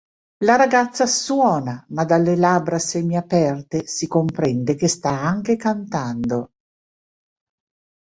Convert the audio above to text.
La ragazza suona, ma dalle labbra semi aperte si comprende che sta anche cantando.